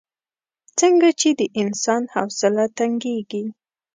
څنګه چې د انسان حوصله تنګېږي.